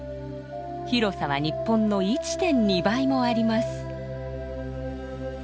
広さは日本の１．２倍もあります。